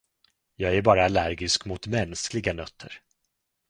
Jag är bara allergisk mot mänskliga nötter.